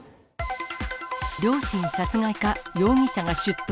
両親殺害か、容疑者が出頭。